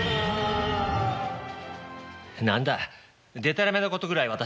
何だでたらめなことぐらい私にも。